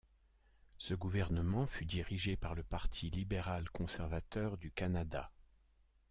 Ce gouvernement fut dirigé par le Parti libéral-conservateur du Canada.